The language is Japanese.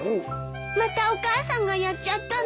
またお母さんがやっちゃったの？